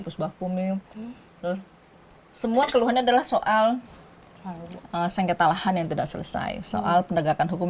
pusbah kuming semua keluhannya adalah soal sengketa lahan yang tidak selesai soal penegakan hukum